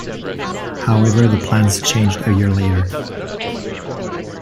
However the plans changed a year later.